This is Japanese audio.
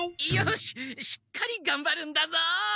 しっかりがんばるんだぞ！